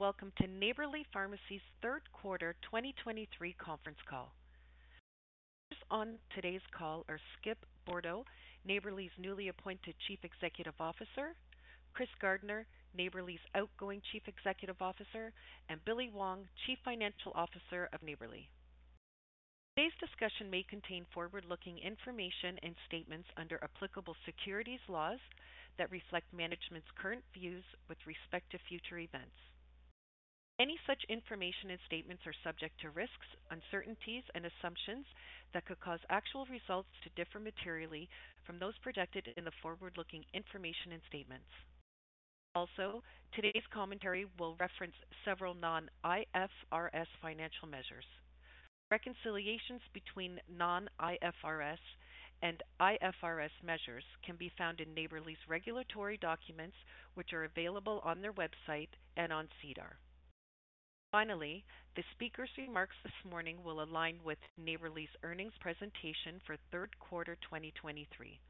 Welcome to Neighbourly Pharmacy's Q3 2023 conference call. On today's call are Skip Bourdo, Neighbourly's newly appointed Chief Executive Officer, Chris Gardner, Neighbourly's outgoing Chief Executive Officer, and Billy Wong, Chief Financial Officer of Neighbourly. Today's discussion may contain forward-looking information and statements under applicable securities laws that reflect management's current views with respect to future events. Any such information and statements are subject to risks, uncertainties and assumptions that could cause actual results to differ materially from those projected in the forward-looking information and statements. Today's commentary will reference several non-IFRS financial measures. Reconciliations between non-IFRS and IFRS measures can be found in Neighbourly's regulatory documents, which are available on their website and on SEDAR. The speaker's remarks this morning will align with Neighbourly's earnings presentation for Q3 2023.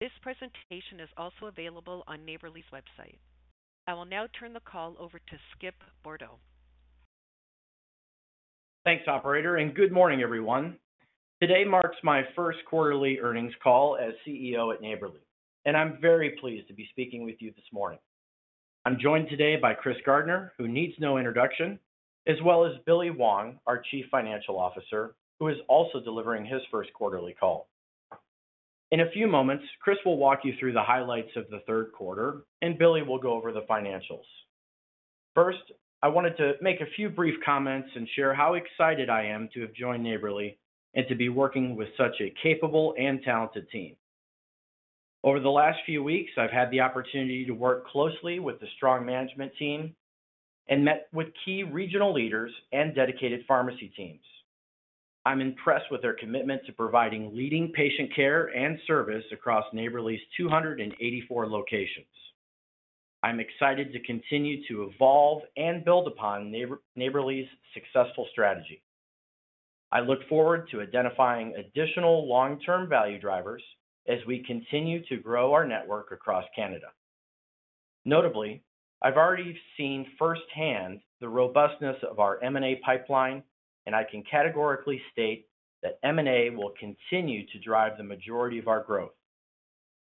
This presentation is also available on Neighbourly's website. I will now turn the call over to Skip Bourdo. Thanks, operator. Good morning, everyone. Today marks my Q1ly earnings call as CEO at Neighbourly, and I'm very pleased to be speaking with you this morning. I'm joined today by Chris Gardner, who needs no introduction, as well as Billy Wong, our Chief Financial Officer, who is also delivering his Q1ly call. In a few moments, Chris will walk you through the highlights of the Q3, and Billy will go over the financials. First, I wanted to make a few brief comments and share how excited I am to have joined Neighbourly and to be working with such a capable and talented team. Over the last few weeks, I've had the opportunity to work closely with the strong management team and met with key regional leaders and dedicated pharmacy teams. I'm impressed with their commitment to providing leading patient care and service across Neighbourly's 284 locations. I'm excited to continue to evolve and build upon Neighbourly's successful strategy. I look forward to identifying additional long-term value drivers as we continue to grow our network across Canada. Notably, I've already seen firsthand the robustness of our M&A pipeline, and I can categorically state that M&A will continue to drive the majority of our growth.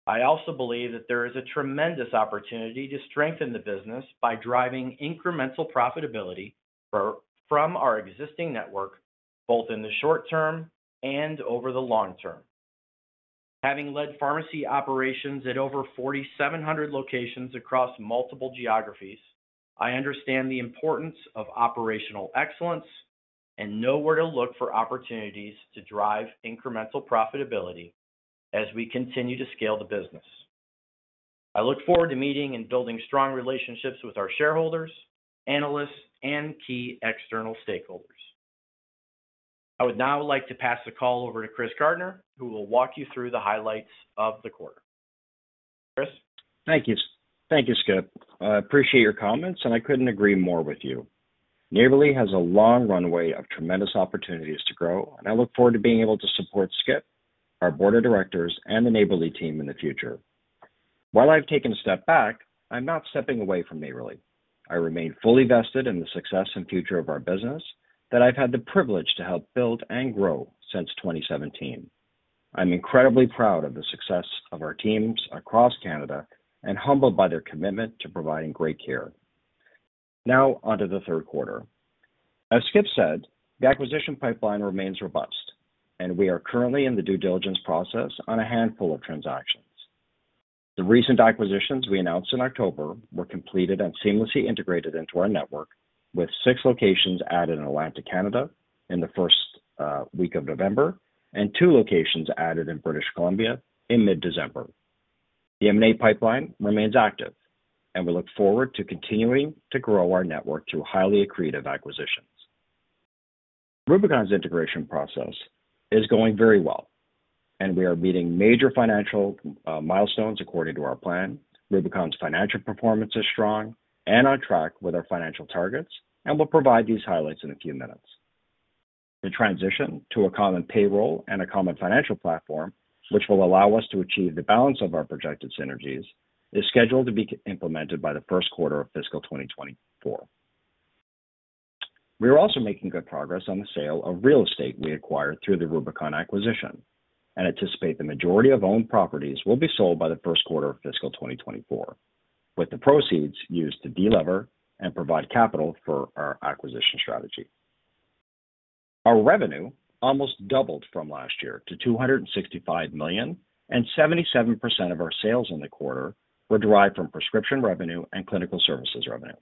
I also believe that there is a tremendous opportunity to strengthen the business by driving incremental profitability from our existing network, both in the short term and over the long term. Having led pharmacy operations at over 4,700 locations across multiple geographies, I understand the importance of operational excellence and know where to look for opportunities to drive incremental profitability as we continue to scale the business. I look forward to meeting and building strong relationships with our shareholders, analysts, and key external stakeholders. I would now like to pass the call over to Chris Gardner, who will walk you through the highlights of the quarter. Chris. Thank you. Thank you, Skip. I appreciate your comments. I couldn't agree more with you. Neighbourly has a long runway of tremendous opportunities to grow. I look forward to being able to support Skip, our board of directors and the Neighbourly team in the future. While I've taken a step back, I'm not stepping away from Neighbourly. I remain fully vested in the success and future of our business that I've had the privilege to help build and grow since 2017. I'm incredibly proud of the success of our teams across Canada and humbled by their commitment to providing great care. On to the Q3. As Skip said, the acquisition pipeline remains robust. We are currently in the due diligence process on a handful of transactions. The recent acquisitions we announced in October were completed and seamlessly integrated into our network, with 6 locations added in Atlantic Canada in the first week of November and 2 locations added in British Columbia in mid-December. The M&A pipeline remains active. We look forward to continuing to grow our network through highly accretive acquisitions. Rubicon's integration process is going very well. We are meeting major financial milestones according to our plan. Rubicon's financial performance is strong and on track with our financial targets. We'll provide these highlights in a few minutes. The transition to a common payroll and a common financial platform, which will allow us to achieve the balance of our projected synergies, is scheduled to be implemented by the Q1 of fiscal 2024. We are also making good progress on the sale of real estate we acquired through the Rubicon acquisition and anticipate the majority of owned properties will be sold by the Q1 of fiscal 2024, with the proceeds used to de-lever and provide capital for our acquisition strategy. Our revenue almost doubled from last year to 265 million. Seventy-seven percent of our sales in the quarter were derived from prescription revenue and clinical services revenue.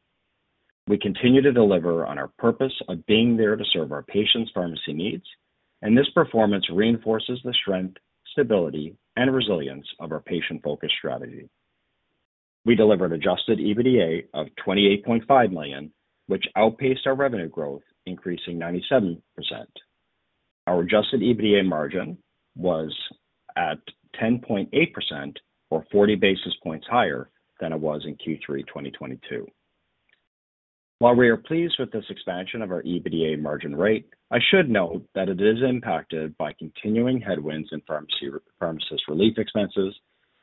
We continue to deliver on our purpose of being there to serve our patients' pharmacy needs. This performance reinforces the strength, stability and resilience of our patient-focused strategy. We delivered adjusted EBITDA of 28.5 million, which outpaced our revenue growth, increasing 97%. Our adjusted EBITDA margin was at 10.8% or 40 basis points higher than it was in Q3 2022. While we are pleased with this expansion of our EBITDA margin rate, I should note that it is impacted by continuing headwinds in pharmacist relief expenses,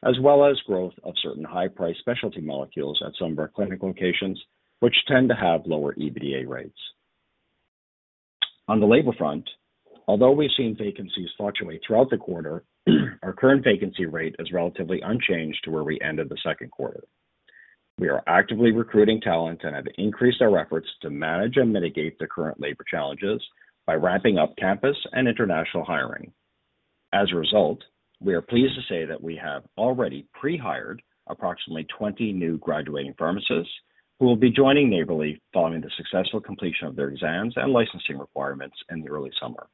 as well as growth of certain high price specialty molecules at some of our clinical locations, which tend to have lower EBITDA rates. On the labor front, although we've seen vacancies fluctuate throughout the quarter, our current vacancy rate is relatively unchanged to where we ended the Q2. We are actively recruiting talent and have increased our efforts to manage and mitigate the current labor challenges by ramping up campus and international hiring. We are pleased to say that we have already pre-hired approximately 20 new graduating pharmacists who will be joining Neighbourly following the successful completion of their exams and licensing requirements in the early summer.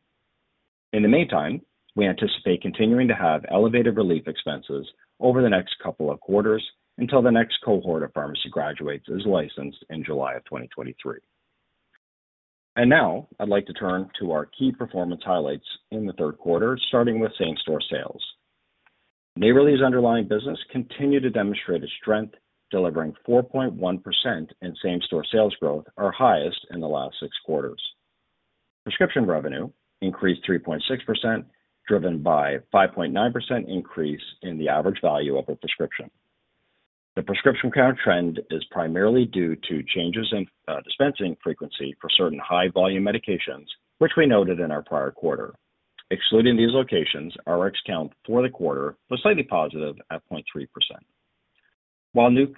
In the meantime, we anticipate continuing to have elevated relief expenses over the next couple of quarters until the next cohort of pharmacy graduates is licensed in July of 2023. Now I'd like to turn to our key performance highlights in the Q3, starting with same-store sales. Neighbourly's underlying business continued to demonstrate its strength, delivering 4.1% in same-store sales growth, our highest in the last six quarters. Prescription revenue increased 3.6%, driven by 5.9% increase in the average value of a prescription. The prescription count trend is primarily due to changes in dispensing frequency for certain high-volume medications, which we noted in our prior quarter. Excluding these locations, Rx count for the quarter was slightly positive at 0.3%. While new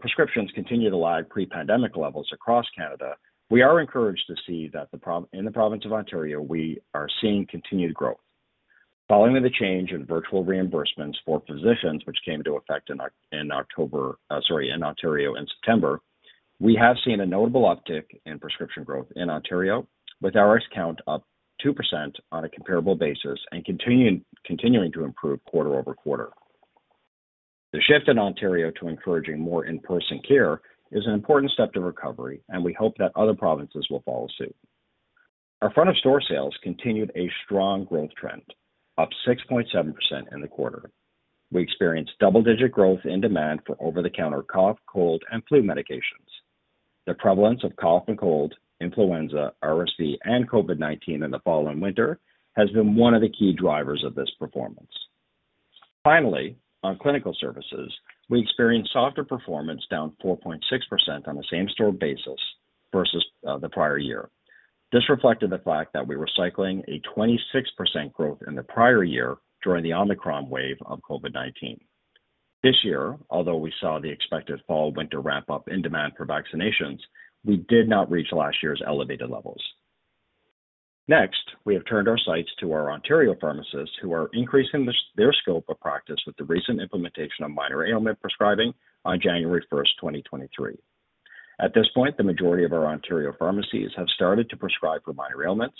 prescriptions continue to lag pre-pandemic levels across Canada, we are encouraged to see that in the province of Ontario, we are seeing continued growth. Following the change in virtual reimbursements for physicians, which came into effect in October, sorry, in Ontario in September, we have seen a notable uptick in prescription growth in Ontario, with Rx count up 2% on a comparable basis and continuing to improve quarter-over-quarter. The shift in Ontario to encouraging more in-person care is an important step to recovery, and we hope that other provinces will follow suit. Our front of store sales continued a strong growth trend, up 6.7% in the quarter. We experienced double-digit growth in demand for over-the-counter cough, cold, and flu medications. The prevalence of cough and cold, influenza, RSV, and COVID-19 in the fall and winter has been one of the key drivers of this performance. Finally, on clinical services, we experienced softer performance, down 4.6% on a same-store basis versus the prior year. This reflected the fact that we were cycling a 26% growth in the prior year during the Omicron wave of COVID-19. This year, although we saw the expected fall/winter ramp-up in demand for vaccinations, we did not reach last year's elevated levels. Next, we have turned our sights to our Ontario pharmacists who are increasing their scope of practice with the recent implementation of minor ailment prescribing on January 1st, 2023. At this point, the majority of our Ontario pharmacies have started to prescribe for minor ailments.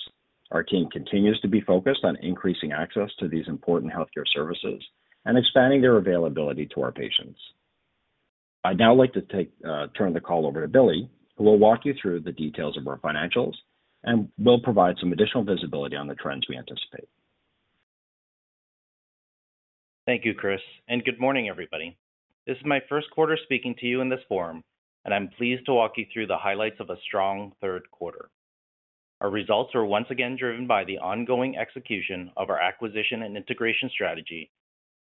Our team continues to be focused on increasing access to these important healthcare services and expanding their availability to our patients. I'd now like to turn the call over to Billy, who will walk you through the details of our financials and will provide some additional visibility on the trends we anticipate. Thank you, Chris. Good morning, everybody. This is my Q1 speaking to you in this forum, and I'm pleased to walk you through the highlights of a strong Q3. Our results are once again driven by the ongoing execution of our acquisition and integration strategy,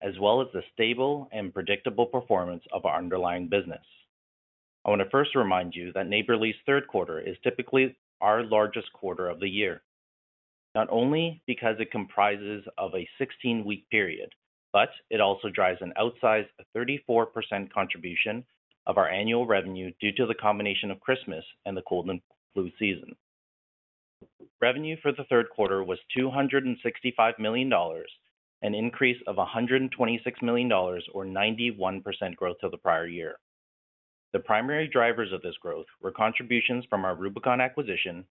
as well as the stable and predictable performance of our underlying business. I want to first remind you that Neighbourly's Q3 is typically our largest quarter of the year, not only because it comprises of a 16-week period, but it also drives an outsized 34% contribution of our annual revenue due to the combination of Christmas and the cold and flu season. Revenue for the Q3 was 265 million dollars, an increase of 126 million dollars or 91% growth to the prior year. The primary drivers of this growth were contributions from our Rubicon acquisition,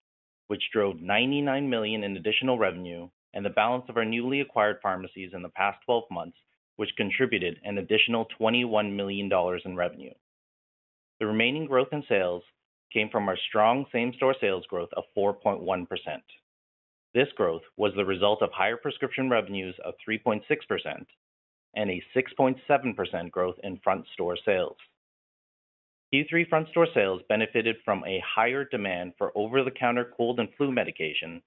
which drove 99 million in additional revenue, and the balance of our newly acquired pharmacies in the past 12 months, which contributed an additional CAD 21 million in revenue. The remaining growth in sales came from our strong same-store sales growth of 4.1%. This growth was the result of higher prescription revenues of 3.6% and a 6.7% growth in front-store sales. Q3 front-store sales benefited from a higher demand for over-the-counter cold and flu medication,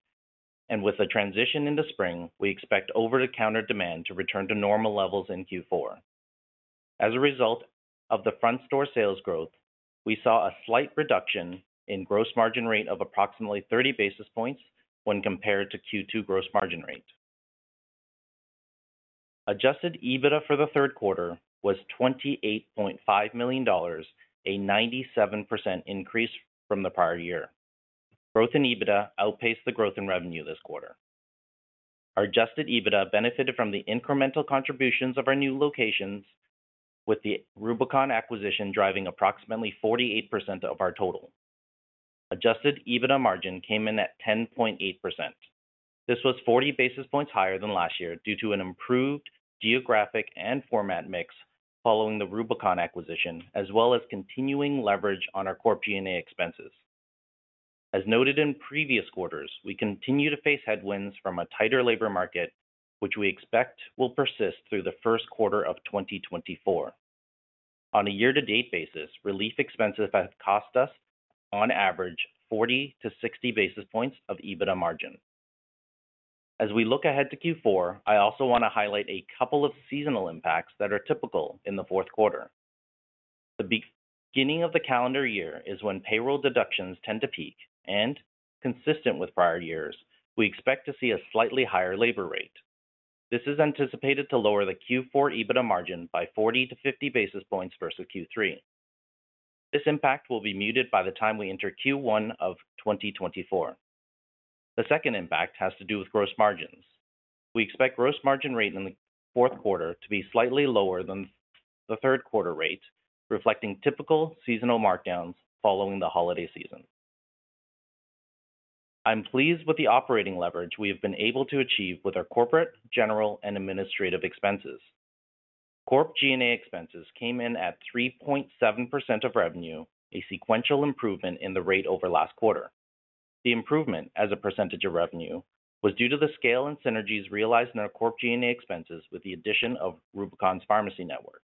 and with the transition into spring, we expect over-the-counter demand to return to normal levels in Q4. As a result of the front store sales growth, we saw a slight reduction in gross margin rate of approximately 30 basis points when compared to Q2 gross margin rate. Adjusted EBITDA for the Q3 was 28.5 million dollars, a 97% increase from the prior year. Growth in EBITDA outpaced the growth in revenue this quarter. Our adjusted EBITDA benefited from the incremental contributions of our new locations, with the Rubicon acquisition driving approximately 48% of our total. Adjusted EBITDA margin came in at 10.8%. This was 40 basis points higher than last year due to an improved geographic and format mix following the Rubicon acquisition, as well as continuing leverage on our Corp G&A expenses. As noted in previous quarters, we continue to face headwinds from a tighter labor market, which we expect will persist through the Q1 of 2024. On a year-to-date basis, relief expenses have cost us on average 40 to 60 basis points of EBITDA margin. As we look ahead to Q4, I also want to highlight a couple of seasonal impacts that are typical in the Q4. The beginning of the calendar year is when payroll deductions tend to peak and consistent with prior years, we expect to see a slightly higher labor rate. This is anticipated to lower the Q4 EBITDA margin by 40 to 50 basis points versus Q3. This impact will be muted by the time we enter Q1 of 2024. The second impact has to do with gross margins. We expect gross margin rate in the Q4 to be slightly lower than the Q3 rate, reflecting typical seasonal markdowns following the holiday season. I'm pleased with the operating leverage we have been able to achieve with our corporate, general, and administrative expenses. Corp G&A expenses came in at 3.7% of revenue, a sequential improvement in the rate over last quarter. The improvement as a percentage of revenue was due to the scale and synergies realized in our Corp G&A expenses with the addition of Rubicon's pharmacy network.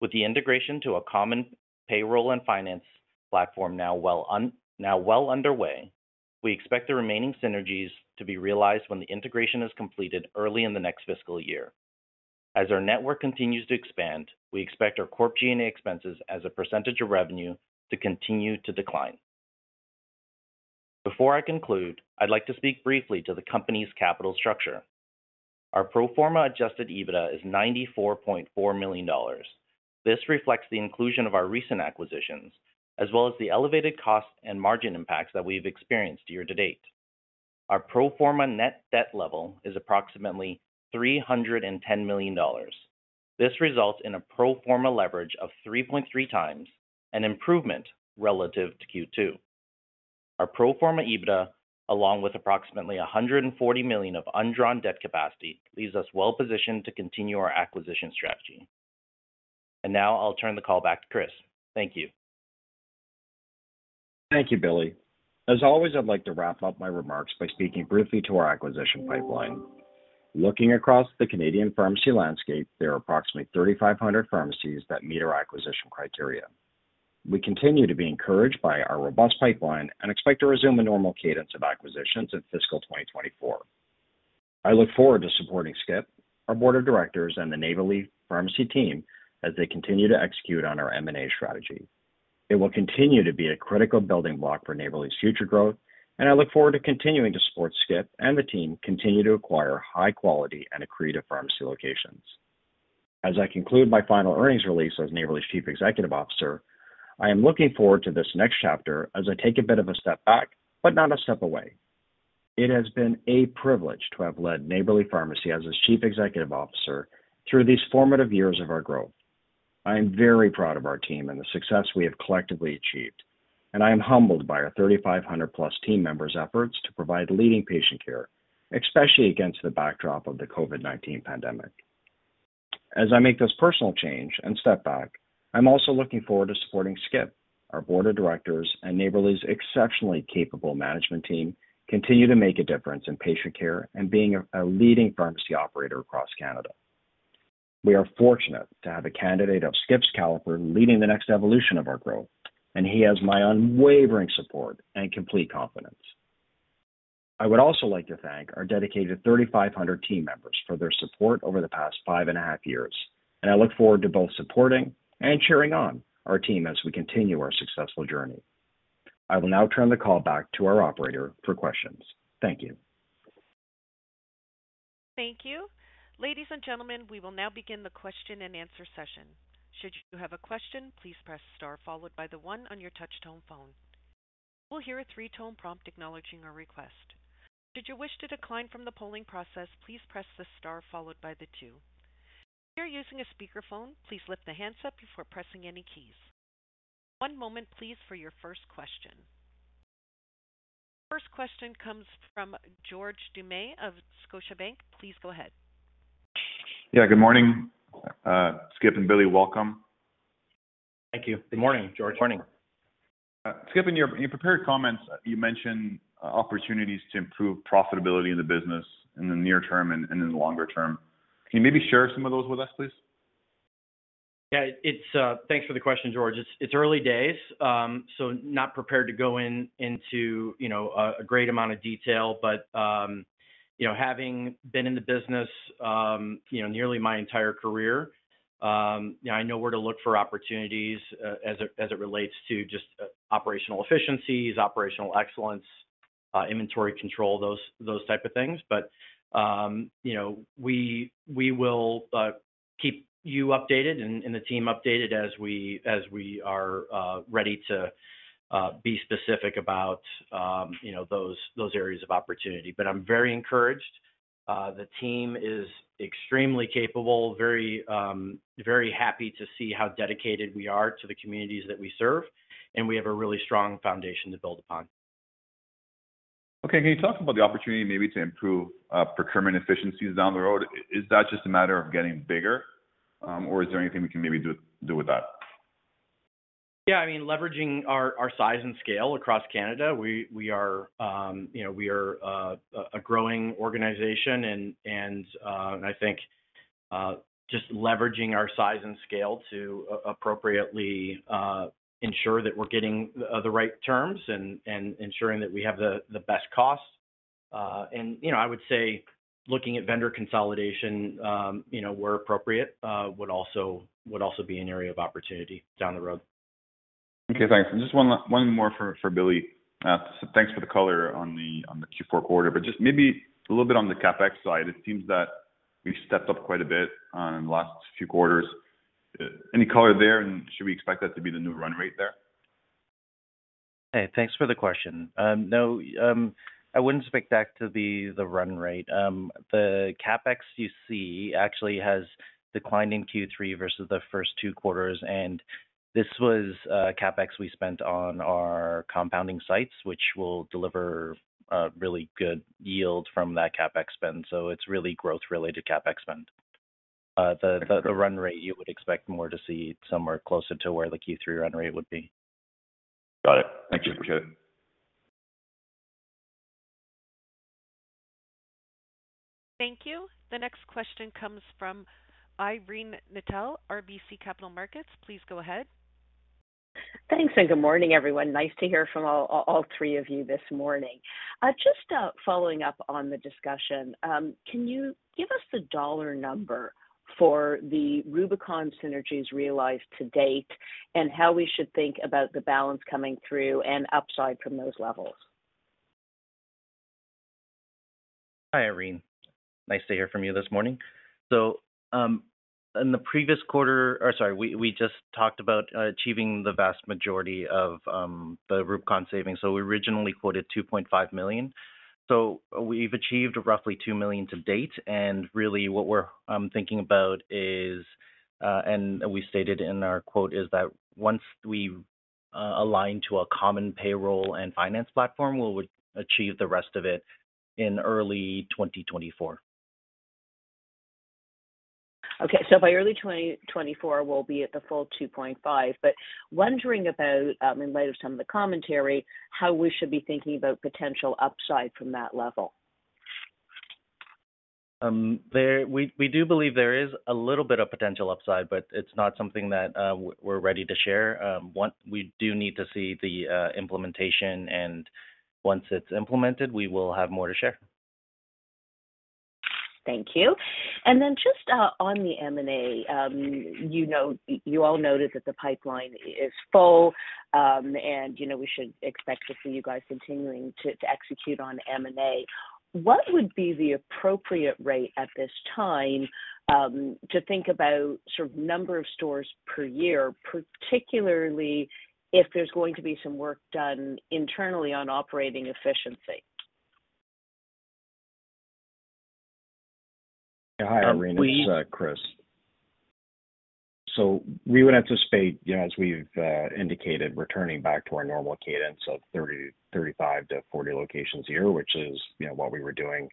With the integration to a common payroll and finance platform now well underway, we expect the remaining synergies to be realized when the integration is completed early in the next fiscal year. As our network continues to expand, we expect our Corp G&A expenses as a percentage of revenue to continue to decline. Before I conclude, I'd like to speak briefly to the company's capital structure. Our pro forma adjusted EBITDA is 94.4 million dollars. This reflects the inclusion of our recent acquisitions, as well as the elevated costs and margin impacts that we've experienced year to date. Our pro forma net debt level is approximately 310 million dollars. This results in a pro forma leverage of 3.3x, an improvement relative to Q2. Our pro forma EBITDA, along with approximately 140 million of undrawn debt capacity, leaves us well-positioned to continue our acquisition strategy. Now I'll turn the call back to Chris. Thank you. Thank you, Billy. As always, I'd like to wrap up my remarks by speaking briefly to our acquisition pipeline. Looking across the Canadian pharmacy landscape, there are approximately 3,500 pharmacies that meet our acquisition criteria. We continue to be encouraged by our robust pipeline and expect to resume a normal cadence of acquisitions in fiscal 2024. I look forward to supporting Skip, our board of directors, and the Neighbourly Pharmacy team as they continue to execute on our M&A strategy. It will continue to be a critical building block for Neighbourly's future growth, and I look forward to continuing to support Skip and the team continue to acquire high quality and accretive pharmacy locations. As I conclude my final earnings release as Neighbourly's Chief Executive Officer, I am looking forward to this next chapter as I take a bit of a step back, but not a step away. It has been a privilege to have led Neighbourly Pharmacy as its Chief Executive Officer through these formative years of our growth. I am very proud of our team and the success we have collectively achieved, and I am humbled by our 3,500 plus team members' efforts to provide leading patient care, especially against the backdrop of the COVID-19 pandemic. As I make this personal change and step back, I'm also looking forward to supporting Skip, our board of directors, and Neighbourly's exceptionally capable management team continue to make a difference in patient care and being a leading pharmacy operator across Canada. We are fortunate to have a candidate of Skip's caliber leading the next evolution of our growth, and he has my unwavering support and complete confidence. I would also like to thank our dedicated 3,500 team members for their support over the past five and a half years. I look forward to both supporting and cheering on our team as we continue our successful journey. I will now turn the call back to our operator for questions. Thank you. Thank you. Ladies and gentlemen, we will now begin the question and answer session. Should you have a question, please press star followed by the one on your touch tone phone. You will hear a three-tone prompt acknowledging our request. Should you wish to decline from the polling process, please press the star followed by the two. If you're using a speakerphone, please lift the handset before pressing any keys. One moment please for your First question. First question comes from George Doumet of Scotiabank. Please go ahead. Yeah, good morning, Skip and Billy. Welcome. Thank you. Good morning, George. Morning. Skip, in your, in your prepared comments, you mentioned opportunities to improve profitability in the business in the near term and in the longer term. Can you maybe share some of those with us, please? Yeah, it's. Thanks for the question, George. It's early days, so not prepared to go into, you know, a great amount of detail but, you know, having been in the business, you know, nearly my entire career, you know, I know where to look for opportunities as it relates to just operational efficiencies, operational excellence, inventory control, those type of things. You know, we will keep you updated and the team updated as we are ready to be specific about, you know, those areas of opportunity. I'm very encouraged. The team is extremely capable, very happy to see how dedicated we are to the communities that we serve, and we have a really strong foundation to build upon. Okay. Can you talk about the opportunity maybe to improve, procurement efficiencies down the road? Is that just a matter of getting bigger, or is there anything we can maybe do with that? I mean, leveraging our size and scale across Canada. We are, you know, we are a growing organization and I think just leveraging our size and scale to appropriately ensure that we're getting the right terms and ensuring that we have the best costs. You know, I would say looking at vendor consolidation, you know, where appropriate, would also be an area of opportunity down the road. Okay, thanks. Just one more for Billy. Thanks for the color on the Q4 quarter, just maybe a little bit on the CapEx side. It seems that we've stepped up quite a bit on the last few quarters. Any color there? Should we expect that to be the new run rate there? Thanks for the question. No, I wouldn't expect that to be the run rate. The CapEx you see actually has declined in Q3 versus the first two quarters. This was CapEx we spent on our compounding sites, which will deliver a really good yield from that CapEx spend. It's really growth-related CapEx spend. The run rate you would expect more to see somewhere closer to where the Q3 run rate would be. Got it. Thank you, Billy. Thank you. The next question comes from Irene Nattel, RBC Capital Markets. Please go ahead. Thanks. Good morning, everyone. Nice to hear from all three of you this morning. Just following up on the discussion, can you give us the dollar number for the Rubicon synergies realized to date and how we should think about the balance coming through and upside from those levels? Hi, Irene. Nice to hear from you this morning. In the previous quarter, we just talked about achieving the vast majority of the Rubicon savings. We originally quoted 2.5 million. We've achieved roughly 2 million to date, and really what we're thinking about is, and we stated in our quote is that once we align to a common payroll and finance platform, we would achieve the rest of it in early 2024. By early 2024, we'll be at the full 2.5. Wondering about, in light of some of the commentary, how we should be thinking about potential upside from that level. We do believe there is a little bit of potential upside, but it's not something that we're ready to share. One, we do need to see the implementation, and once it's implemented, we will have more to share. Thank you. Then just on the M&A, you know, you all noted that the pipeline is full, and you know, we should expect to see you guys continuing to execute on M&A. What would be the appropriate rate at this time to think about sort of number of stores per year, particularly if there's going to be some work done internally on operating efficiency? Yeah, hi, Irene. We- It's Chris. We would anticipate, you know, as we've indicated, returning back to our normal cadence of 30, 35 to 40 locations a year, which is, you know, what we were doing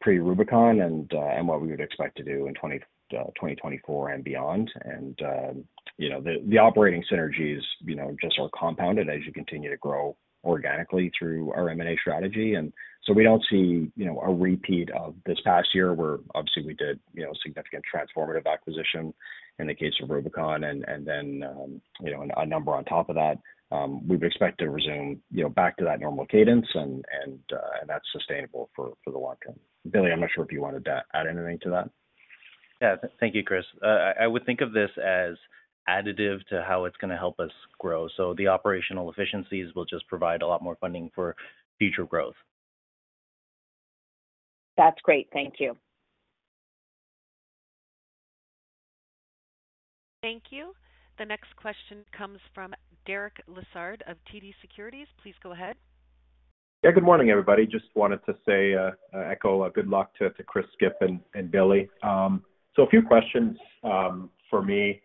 pre-Rubicon and what we would expect to do in 2024 and beyond. The operating synergies, you know, just are compounded as you continue to grow organically through our M&A strategy. We don't see, you know, a repeat of this past year where obviously we did, you know, significant transformative acquisition in the case of Rubicon and then, you know, a number on top of that. We would expect to resume, you know, back to that normal cadence and that's sustainable for the long term. Billy, I'm not sure if you wanted to add anything to that. Yeah. Thank you, Chris. I would think of this as additive to how it's gonna help us grow. The operational efficiencies will just provide a lot more funding for future growth. That's great. Thank you. Thank you. The next question comes from Derek Lessard of TD Securities. Please go ahead. Yeah, good morning, everybody. Just wanted to say, echo a good luck to Chris, Skip, and Billy. A few questions for me.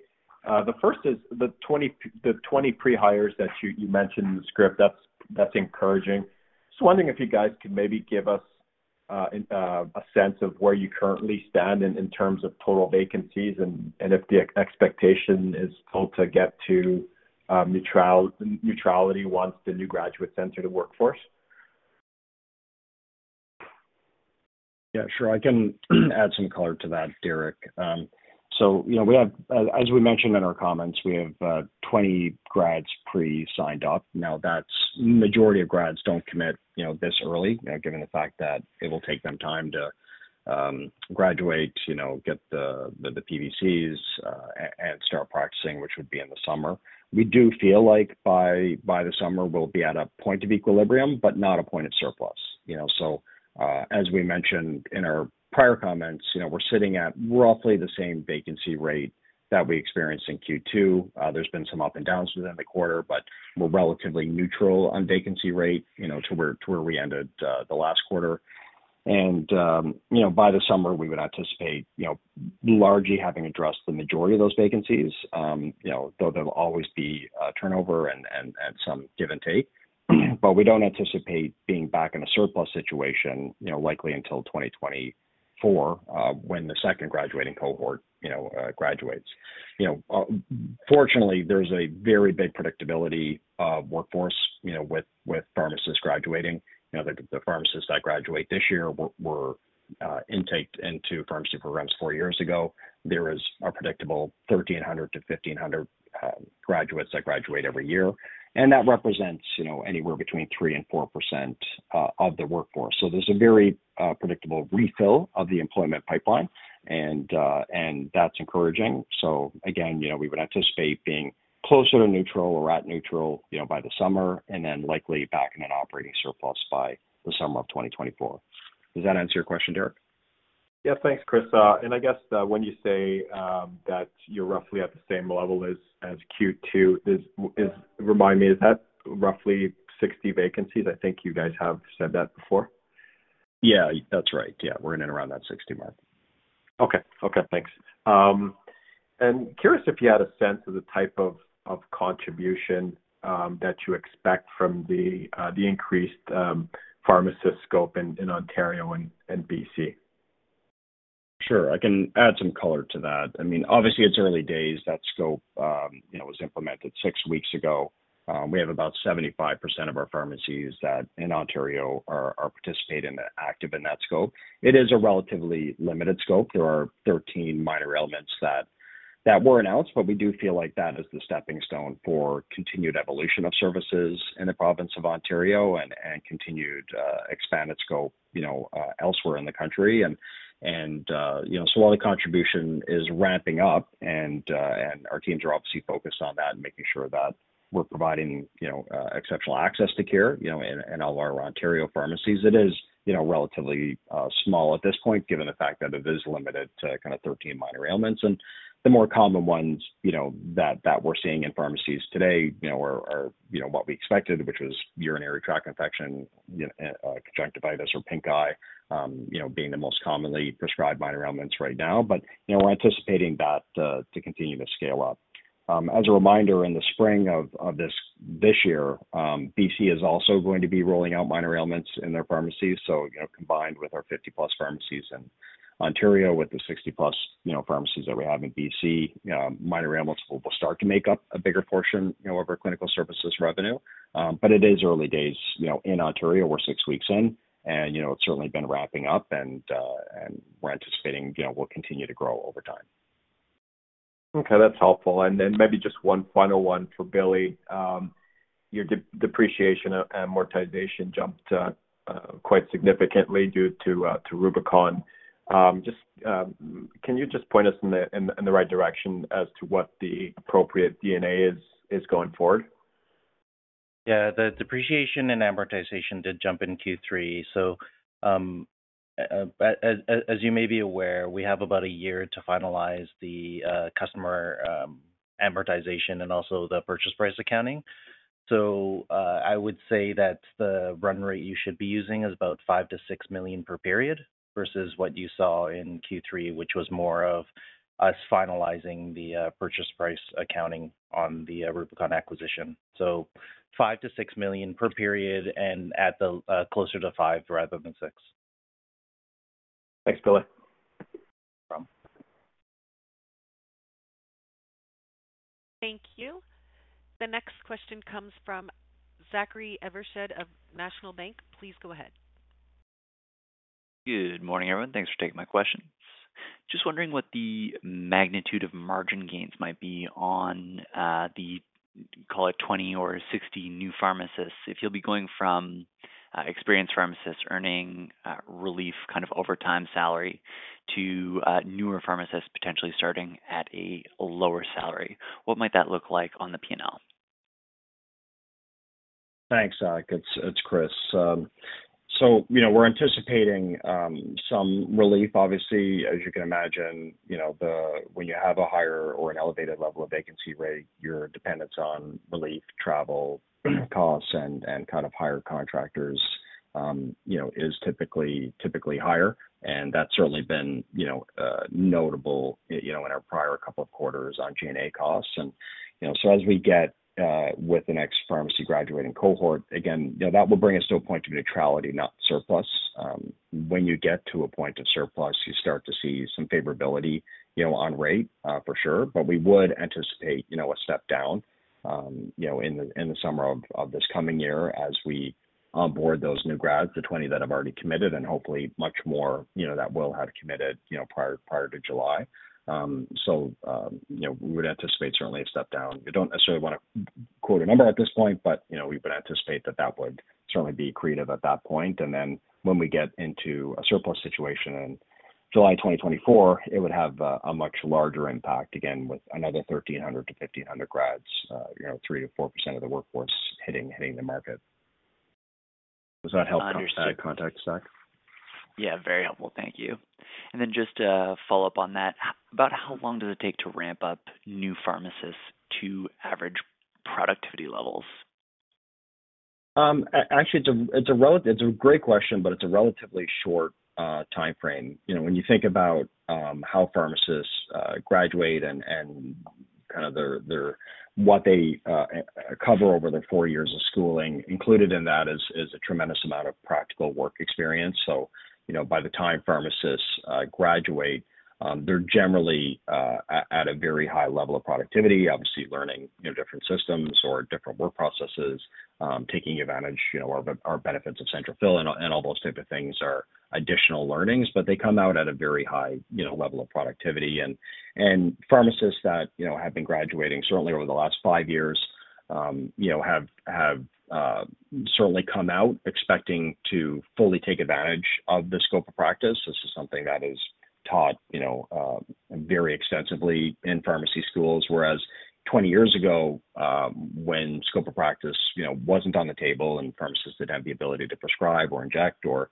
The first is the 20 pre-hires that you mentioned in the script, that's encouraging. Just wondering if you guys could maybe give us a sense of where you currently stand in terms of total vacancies and if the expectation is still to get to neutrality once the new graduates enter the workforce. Sure. I can add some color to that, Derek. You know, as we mentioned in our comments, we have 20 grads pre-signed up. Majority of grads don't commit, you know, this early, given the fact that it will take them time to graduate, you know, get the PVCs and start practicing, which would be in the summer. We do feel like by the summer, we'll be at a point of equilibrium, but not a point of surplus, you know? As we mentioned in our prior comments, you know, we're sitting at roughly the same vacancy rate that we experienced in Q2. There's been some up and downs within the quarter, but we're relatively neutral on vacancy rate, you know, to where we ended the last quarter. You know, by the summer, we would anticipate, you know, largely having addressed the majority of those vacancies. You know, though there'll always be turnover and some give and take, but we don't anticipate being back in a surplus situation, you know, likely until 2024, when the second graduating cohort, you know, graduates. You know, fortunately, there's a very big predictability of workforce, you know, with pharmacists graduating. You know, the pharmacists that graduate this year were intaked into pharmacy programs four years ago. There is a predictable 1,300 to 1,500 graduates that graduate every year, and that represents, you know, anywhere between 3% and 4% of the workforce. There's a very predictable refill of the employment pipeline and that's encouraging. Again, you know, we would anticipate being closer to neutral or at neutral, you know, by the summer and then likely back in an operating surplus by the summer of 2024. Does that answer your question, Derek? Yeah. Thanks, Chris. I guess when you say that you're roughly at the same level as Q2, remind me, is that roughly 60 vacancies? I think you guys have said that before. Yeah, that's right. Yeah. We're in and around that 60 mark. Okay. Okay. Thanks. Curious if you had a sense of the type of contribution that you expect from the increased pharmacist scope in Ontario and BC? Sure. I can add some color to that. I mean, obviously, it's early days. That scope, you know, was implemented six weeks ago. We have about 75% of our pharmacies that in Ontario are participating and are active in that scope. It is a relatively limited scope. There are 13 minor ailments that were announced. We do feel like that is the stepping stone for continued evolution of services in the province of Ontario and continued expanded scope, you know, elsewhere in the country. You know, so while the contribution is ramping up and our teams are obviously focused on that and making sure that we're providing, you know, exceptional access to care, you know, in all our Ontario pharmacies, it is, you know, relatively small at this point, given the fact that it is limited to kind of 13 minor ailments. The more common ones, you know, that we're seeing in pharmacies today, you know, are, you know, what we expected, which was urinary tract infection, you know, conjunctivitis or pink eye, you know, being the most commonly prescribed minor ailments right now. You know, we're anticipating that to continue to scale up. As a reminder, in the spring of this year, BC is also going to be rolling out minor ailments in their pharmacies. You know, combined with our 50-plus pharmacies in Ontario with the 60-plus, you know, pharmacies that we have in BC, minor ailments will start to make up a bigger portion, you know, of our clinical services revenue. It is early days. You know, in Ontario, we're 6 weeks in and, you know, it's certainly been ramping up and we're anticipating, you know, we'll continue to grow over time. Okay. That's helpful. Maybe just one final one for Billy. Your depreciation amortization jumped quite significantly due to Rubicon. Can you just point us in the right direction as to what the appropriate DNA is going forward? Yeah. The depreciation and amortization did jump in Q3. As you may be aware, we have about a year to finalize the customer amortization and also the purchase price accounting. I would say that the run rate you should be using is about 5 million-6 million per period versus what you saw in Q3, which was more of us finalizing the purchase price accounting on the Rubicon acquisition. 5 million-6 million per period and at the closer to five rather than six. Thanks, Billy. No problem. Thank you. The next question comes from Zachary Evershed of National Bank. Please go ahead. Good morning, everyone. Thanks for taking my question. Just wondering what the magnitude of margin gains might be on the, call it 20 or 60 new pharmacists if you'll be going from experienced pharmacists earning relief kind of overtime salary to newer pharmacists potentially starting at a lower salary. What might that look like on the P&L? Thanks, Zach. It's Chris. You know, we're anticipating some relief. Obviously, as you can imagine, you know, when you have a higher or an elevated level of vacancy rate, your dependence on relief, travel, costs and kind of higher contractors, you know, is typically higher. That's certainly been, you know, notable, you know, in our prior couple of quarters on G&A costs. You know, as we get with the next pharmacy graduating cohort, again, you know, that will bring us to a point of neutrality, not surplus. When you get to a point of surplus, you start to see some favorability, you know, on rate, for sure, but we would anticipate, you know, a step-down, you know, in the, in the summer of this coming year as we onboard those new grads, the 20 that have already committed and hopefully much more, you know, that will have committed, you know, prior to July. You know, we would anticipate certainly a step down. We don't necessarily want to quote a number at this point, but, you know, we would anticipate that that would certainly be accretive at that point. When we get into a surplus situation in July 2024, it would have a much larger impact again with another 1,300 to 1,500 grads, you know, 3%-4% of the workforce hitting the market. Does that help? Understood. Contact Zach? Yeah, very helpful. Thank you. Just to follow up on that, about how long does it take to ramp up new pharmacists to average productivity levels? Actually it's a great question, but it's a relatively short timeframe. You know, when you think about how pharmacists graduate and kind of their what they cover over their four years of schooling. Included in that is a tremendous amount of practical work experience. By the time pharmacists graduate, they're generally at a very high level of productivity, obviously learning, you know, different systems or different work processes, taking advantage, you know, of our benefits of central fill and all those type of things are additional learnings, but they come out at a very high, you know, level of productivity. Pharmacists that, you know, have been graduating certainly over the last 5 years, you know, certainly come out expecting to fully take advantage of the scope of practice. This is something that is taught, you know, very extensively in pharmacy schools. Whereas 20 years ago, when scope of practice, you know, wasn't on the table and pharmacists didn't have the ability to prescribe or inject or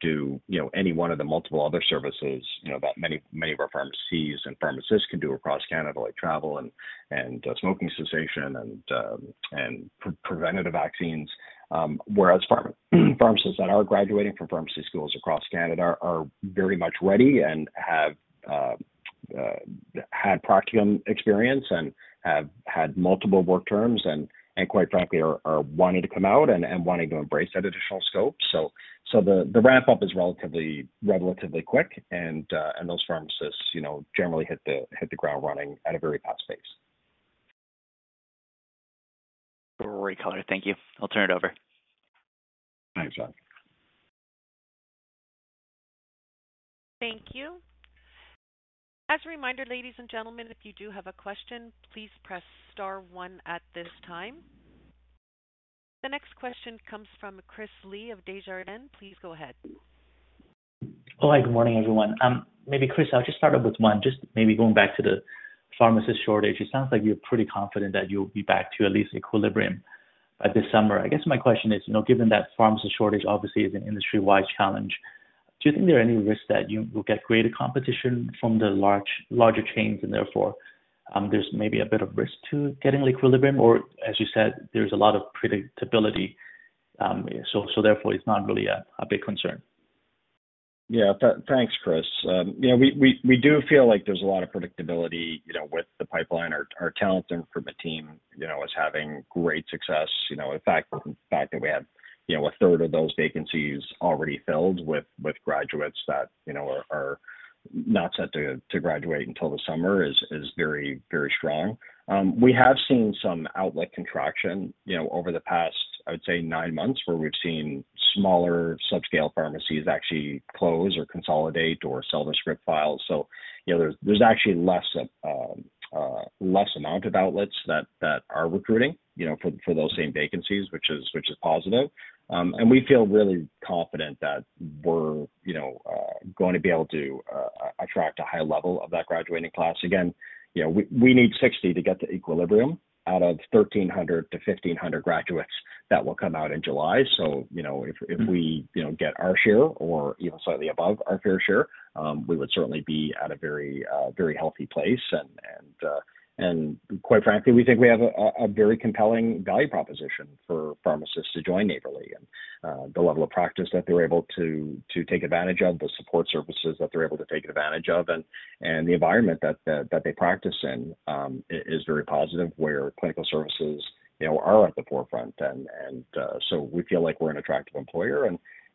do, you know, any one of the multiple other services, you know, that many of our pharmacies and pharmacists can do across Canada, like travel and smoking cessation and preventative vaccines. Whereas pharmacists that are graduating from pharmacy schools across Canada are very much ready and have had practicum experience and have had multiple work terms and quite frankly, are wanting to come out and wanting to embrace that additional scope. The ramp-up is relatively quick and those pharmacists, you know, generally hit the ground running at a very fast pace. Great, Gardner. Thank you. I'll turn it over. Thanks, Zach. Thank you. As a reminder, ladies and gentlemen, if you do have a question, please press star one at this time. The next question comes from Chris Li of Desjardins. Please go ahead. Oh, hi, good morning, everyone. Maybe Chris, I'll just start out with one, just maybe going back to the pharmacist shortage. It sounds like you're pretty confident that you'll be back to at least equilibrium by this summer. I guess my question is, you know, given that pharmacist shortage obviously is an industry-wide challenge, do you think there are any risks that you will get greater competition from the larger chains and therefore, there's maybe a bit of risk to getting equilibrium? As you said, there's a lot of predictability, so therefore, it's not really a big concern. Yeah. Thanks, Chris. you know, we do feel like there's a lot of predictability, you know, with the pipeline. Our talent recruitment team, you know, is having great success. In fact, the fact that we have, you know, a third of those vacancies already filled with graduates that, you know, are not set to graduate until the summer is very strong. We have seen some outlet contraction, you know, over the past, I would say nine months, where we've seen smaller subscale pharmacies actually close or consolidate or sell their script files. you know, there's actually less amount of outlets that are recruiting, you know, for those same vacancies, which is positive. We feel really confident that we're, you know, going to be able to attract a high level of that graduating class. Again, you know, we need 60 to get to equilibrium out of 1,300-1,500 graduates that will come out in July. You know, if we, you know, get our share or even slightly above our fair share, we would certainly be at a very, very healthy place. Quite frankly, we think we have a very compelling value proposition for pharmacists to join Neighbourly. The level of practice that they're able to take advantage of, the support services that they're able to take advantage of, and the environment that they practice in is very positive where clinical services, you know, are at the forefront. We feel like we're an attractive employer.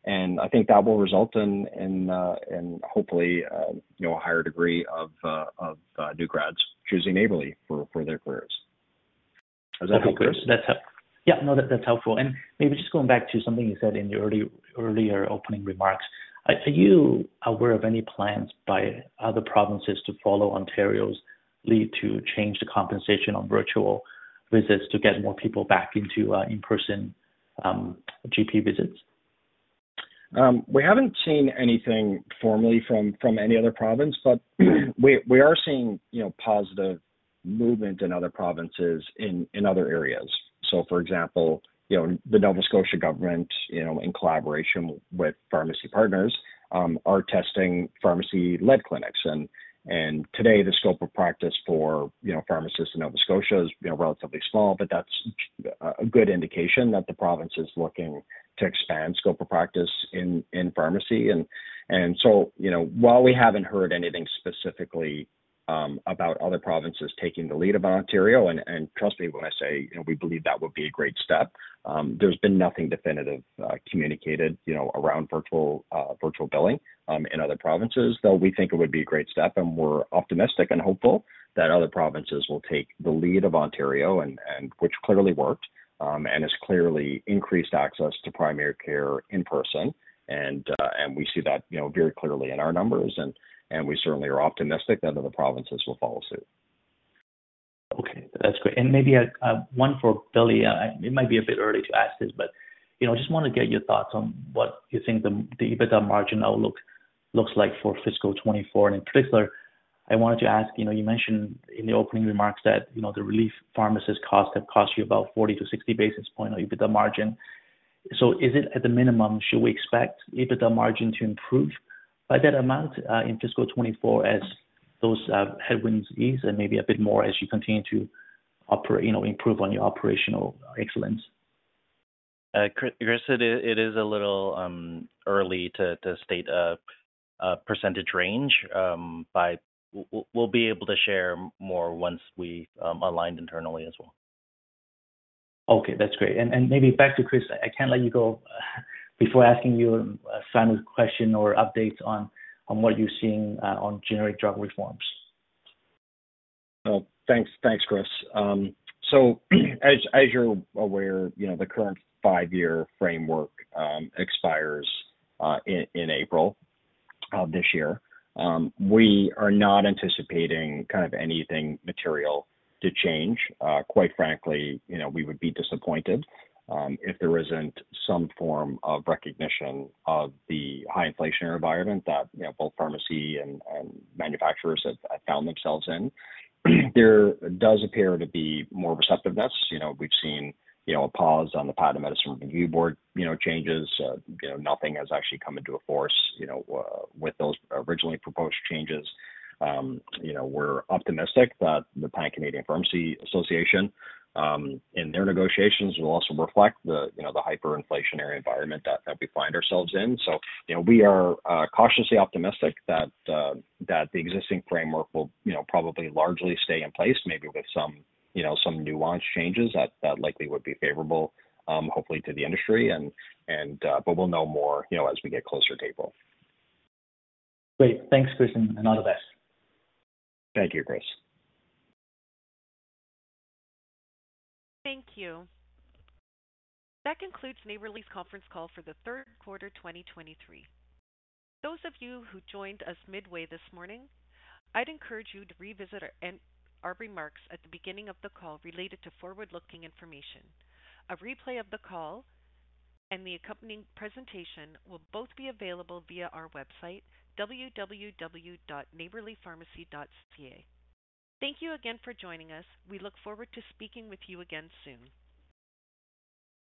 I think that will result in hopefully, you know, a higher degree of new grads choosing Neighbourly for their careers. Is that helpful, Chris? Yeah, no, that's helpful. Maybe just going back to something you said in your earlier opening remarks. Are you aware of any plans by other provinces to follow Ontario's lead to change the compensation on virtual visits to get more people back into in-person GP visits? We haven't seen anything formally from any other province, but we are seeing, you know, positive movement in other provinces in other areas. For example, you know, the Nova Scotia government, you know, in collaboration with pharmacy partners, are testing pharmacy-led clinics. Today the scope of practice for, you know, pharmacists in Nova Scotia is, you know, relatively small, but that's a good indication that the province is looking to expand scope of practice in pharmacy. While we haven't heard anything specifically about other provinces taking the lead of Ontario, and trust me when I say, you know, we believe that would be a great step, there's been nothing definitive communicated, you know, around virtual virtual billing in other provinces. We think it would be a great step, and we're optimistic and hopeful that other provinces will take the lead of Ontario and which clearly worked and has clearly increased access to primary care in person. We see that, you know, very clearly in our numbers and we certainly are optimistic that other provinces will follow suit. Okay, that's great. Maybe one for Billy. It might be a bit early to ask this, but, you know, I just want to get your thoughts on what you think the EBITDA margin outlook looks like for fiscal 2024. In particular, I wanted to ask, you know, you mentioned in the opening remarks that, you know, the relief pharmacist cost had cost you about 40 to 60 basis points on EBITDA margin. Is it at the minimum, should we expect EBITDA margin to improve by that amount in fiscal 2024 as those headwinds ease and maybe a bit more as you continue to, you know, improve on your operational excellence? Chris, it is a little early to state a percentage range, but we'll be able to share more once we aligned internally as well. Okay, that's great. Maybe back to Chris, I can't let you go before asking you a final question or updates on what you're seeing on generic drug reforms. Thanks. Thanks, Chris. as you're aware, you know, the current five-year framework expires in April of this year. We are not anticipating kind of anything material to change. Quite frankly, you know, we would be disappointed if there isn't some form of recognition of the high inflationary environment that, you know, both pharmacy and manufacturers have found themselves in. There does appear to be more receptiveness. You know, we've seen, you know, a pause on the part of Medicine Review Board changes. Nothing has actually come into force, you know, with those originally proposed changes. We're optimistic that the Pan-Canadian Pharmacy Association in their negotiations will also reflect the, you know, the hyperinflationary environment that we find ourselves in. you know, we are cautiously optimistic that the existing framework will, you know, probably largely stay in place, maybe with some, you know, some nuance changes that likely would be favorable, hopefully to the industry and. We'll know more, you know, as we get closer to April. Great. Thanks, Chris. All the best. Thank you, Chris. Thank you. That concludes Neighbourly's conference call for the Q3, 2023. Those of you who joined us midway this morning, I'd encourage you to revisit our remarks at the beginning of the call related to forward-looking information. A replay of the call and the accompanying presentation will both be available via our website, www.neighbourlypharmacy.ca. Thank you again for joining us. We look forward to speaking with you again soon.